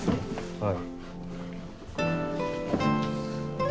はい。